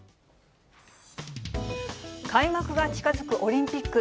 開幕が近づくオリンピック。